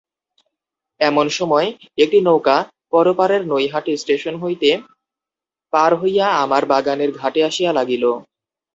এমনসময় একটি নৌকা পরপারের নৈহাটি স্টেশন হইতে পার হইয়া আমার বাগানের ঘাটে আসিয়া লাগিল।